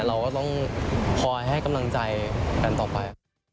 เราก็ต้องคอยให้กำลังใจกันต่อไป